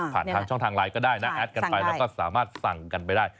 ทางช่องทางไลน์ก็ได้นะแอดกันไปแล้วก็สามารถสั่งกันไปได้